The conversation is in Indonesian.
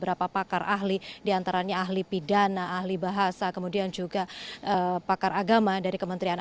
ahli bahasa ahli ite dan ahli dari kementerian